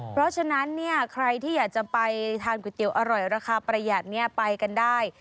เพราะฉะนั้นเนี่ยใครที่อยากจะไปทานก๋วยเตี๋ยวอร่อยราคาประหยัดไปกันได้